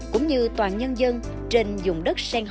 cũng như toàn nhân dân trên dùng đất sen hồng tháp một mươi